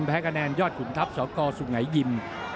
แพ้คะแนนยอดขุนทัพสกสุงัยยิม